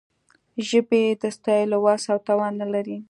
ژبه یې د ستایلو وس او توان نه لري.